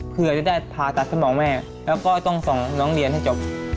เพื่อจะได้ผ่าตัดสมองแม่แล้วก็ต้องส่งน้องเรียนให้จบ